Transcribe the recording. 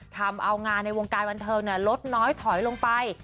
ทำเอางานในวงการบันเทิงลดน้อยถอยลงไป